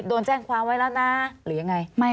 โดนแจ้งความไว้แล้วนะหรือยังไง